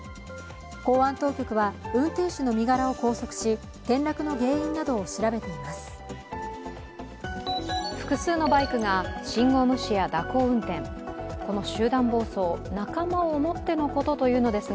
公安当局は運転手の身柄を拘束し転落の原因などを調べています。